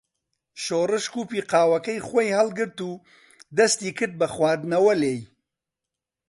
شۆڕش کووپی قاوەکەی خۆی هەڵگرت و دەستی کرد بە خواردنەوە لێی.